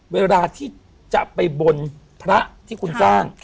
เวลาที่จะไปบนพระที่คุณสร้าง